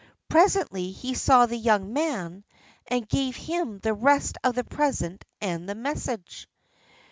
Presently he saw the young man, and gave him the rest of the present and the message.